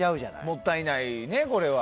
もったいないね、これは。